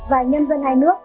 và nhân dân hai nước